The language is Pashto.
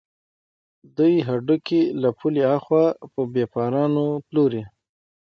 دوی هډوکي له پولې اخوا په بېپارانو پلوري.